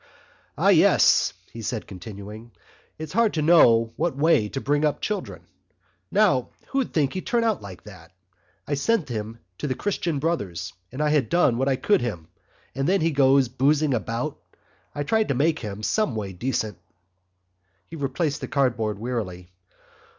"Ah, yes," he said, continuing, "it's hard to know what way to bring up children. Now who'd think he'd turn out like that! I sent him to the Christian Brothers and I done what I could for him, and there he goes boosing about. I tried to make him someway decent." He replaced the cardboard wearily.